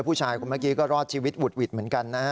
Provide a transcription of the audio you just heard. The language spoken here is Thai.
ผู้ชายคนเมื่อกี้ก็รอดชีวิตหวุดหวิดเหมือนกันนะฮะ